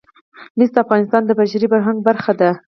مس د افغانستان د بشري فرهنګ برخه ده.